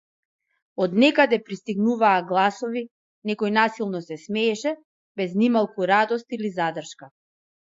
Од некаде пристигнуваа гласови, некој насилно се смееше, без ни малку радост или задршка.